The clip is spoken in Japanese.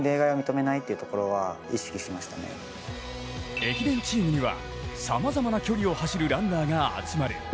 駅伝チームにはさまざまな距離を走るランナーが集まる。